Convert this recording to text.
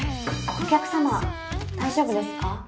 お客さま大丈夫ですか？